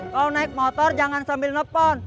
kau naik motor jangan sambil nelfon